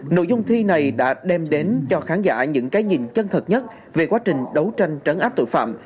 nội dung thi này đã đem đến cho khán giả những cái nhìn chân thật nhất về quá trình đấu tranh trấn áp tội phạm